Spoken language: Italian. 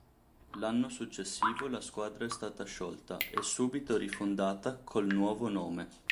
L'anno successivo la squadra è stata sciolta e subito rifondata col nuovo nome.